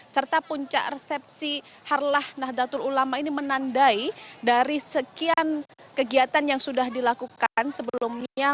serta puncak resepsi harlah nahdlatul ulama ini menandai dari sekian kegiatan yang sudah dilakukan sebelumnya